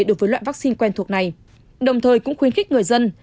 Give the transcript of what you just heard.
đối với loại vaccine quen thuộc này đồng thời cũng khuyến khích người dân